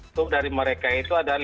itu dari mereka itu adalah